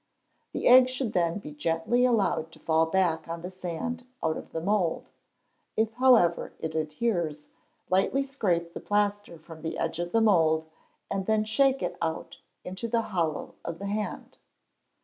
The egg should then be gently allowed to fall back on the sand out of the mould; if, however, it adheres, lightly scrape the plaster from the edge of the mould, and then shake it out into the hollow of the hand.